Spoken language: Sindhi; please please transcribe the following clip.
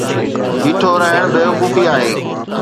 بيٺو رھڻ بيوقوفي آھي.